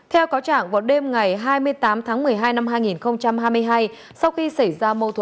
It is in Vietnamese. theo cáo trạng vào đêm ngày hai mươi tám tháng một mươi hai năm hai nghìn hai mươi hai